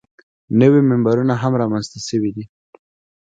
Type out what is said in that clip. نوي منبرونه هم رامنځته شوي دي.